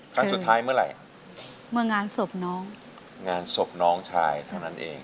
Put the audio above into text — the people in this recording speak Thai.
ครั้งสุดท้ายเมื่อไหร่เมื่องานศพน้องงานศพน้องชายเท่านั้นเอง